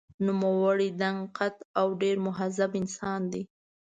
نوموړی دنګ قد او ډېر مهذب انسان دی.